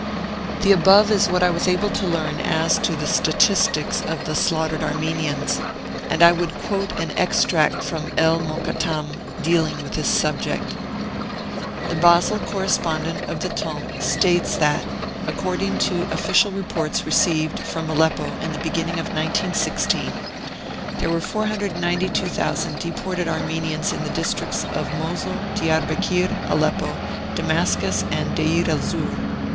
The above is what I was able to learn as to the statistics of the slaughtered Armenians, and I would quote an extract from El Mo kattam, dealing with this subject : 'The Basle correspondent of the Temps states that, according to official reports received from Aleppo in the beginning of 1916, there were 492,000 deported Armenians in the districts of Mosul, Diarbekir, Aleppo, Damascus, and Deir el 50 Martyred Armenia Zur.